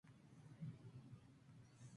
Yuli es el apodo de Carlos Acosta.